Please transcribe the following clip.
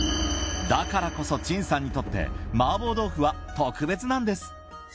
だからこそ陳さんにとって麻婆豆腐は特別なんです。